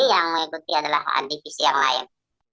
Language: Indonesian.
yang mengikuti adalah adivisi yang lain